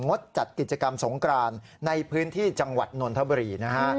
ดจัดกิจกรรมสงกรานในพื้นที่จังหวัดนนทบุรีนะฮะ